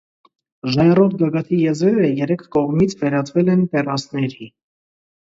Ժայռոտ գագաթի եզրերը երեք կողմիվ վերածվել են տեռասների։